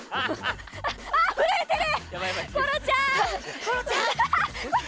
震えてる！